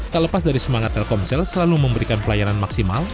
tak lepas dari semangat telkomsel selalu memberikan pelayanan maksimal